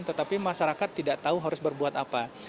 tetapi masyarakat tidak tahu harus berbuat apa